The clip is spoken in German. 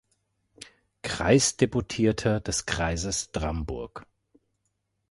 Kreisdeputierter des Kreises Dramburg.